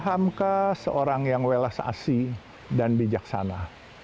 hamka seorang yang welas asi dan bijaksana